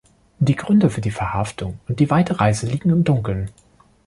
Die Gründe für die Verhaftung und die weite Reise liegen im Dunkeln.